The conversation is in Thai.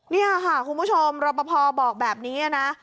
นี่ค่ะคุณผู้ชมรอปภบอกแบบนี้นะ